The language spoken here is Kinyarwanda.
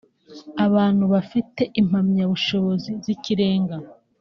abantu bafite impamyabushobozi z’ikirenga